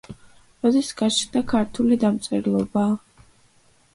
როდის გაჩნდა ქართული დამწერლობა?